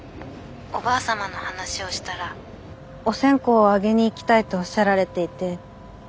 おばあ様の話をしたらお線香をあげに行きたいとおっしゃられていて。